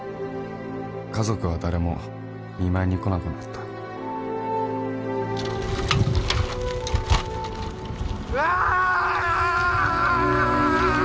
家族は誰も見舞いに来なくなったわーッ！